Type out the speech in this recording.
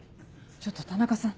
ちょっと田中さん。